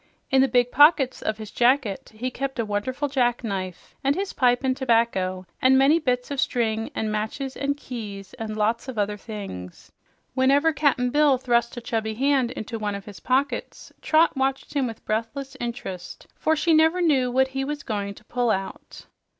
In the big pockets of his jacket he kept a wonderful jackknife, and his pipe and tobacco, and many bits of string, and matches and keys and lots of other things. Whenever Cap'n Bill thrust a chubby hand into one of his pockets, Trot watched him with breathless interest, for she never knew what he was going to pull out.